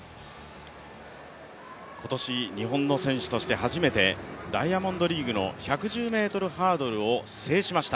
今年日本の選手として初めてダイヤモンドリーグの１１０ｍハードルを制しました。